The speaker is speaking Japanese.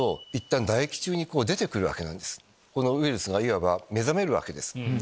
このウイルスがいわば目覚めるわけです。